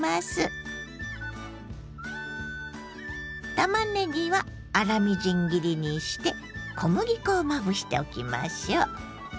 たまねぎは粗みじん切りにして小麦粉をまぶしておきましょう。